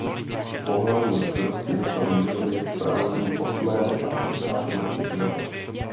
Pohlavní dospělosti dosahují želvy pralesní v osmém až desátém roce života.